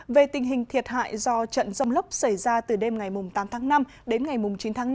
về tình hình thiệt hại do trận rông lốc xảy ra từ đêm ngày tám tháng năm đến ngày chín tháng năm